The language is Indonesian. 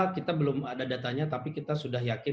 kita belum ada datanya tapi kita sudah yakin